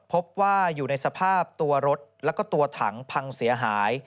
พบว่าอยู่ในสภาพตัวรถแล้วก็ตัวถังพังเสียหาย